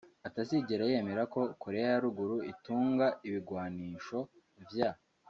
itazigera yemera ko Korea ya Ruguru itunga ibigwanisho vya